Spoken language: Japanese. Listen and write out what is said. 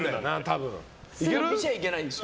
見ちゃいけないんですよ。